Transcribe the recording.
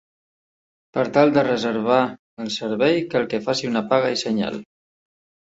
Per tal de reservar el servei cal que faci una paga i senyal.